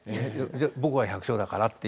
僕は百姓だからって。